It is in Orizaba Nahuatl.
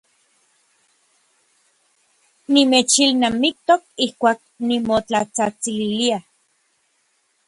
Nimechilnamiktok ijkuak nimotlatsajtsililia.